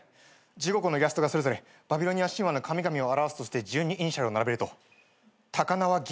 １５個のイラストがそれぞれバビロニア神話の神々を表すとして順にイニシャルを並べると「高輪ゲートウェイ」